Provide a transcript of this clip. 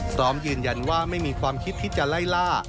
พร้อมยืนยันว่าไม่มีความคิดที่จะไล่ล่า